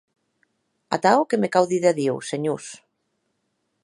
Atau que me cau díder adiu, senhors.